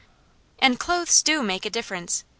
And clothes DO make a difference.